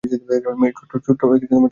ছোট্টো স্টোরি না।